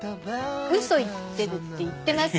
「嘘言ってる」って言ってますよ。